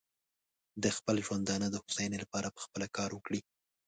د خپل ژوندانه د هوساینې لپاره پخپله کار وکړي.